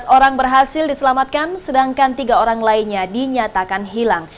sebelas orang berhasil diselamatkan sedangkan tiga orang lainnya dinyatakan hilang